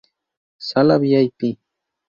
Sala Vip.